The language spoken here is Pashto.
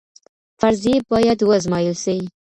فرضیې بايد وازمویل سي.